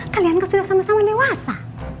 kalian kan sudah sama sama dewasa